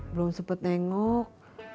belum sempat tengok